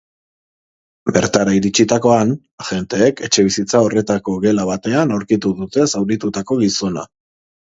Bertara iritsitakoan, agenteek etxebizitza horretako gela batean aurkitu dute zauritutako gizona.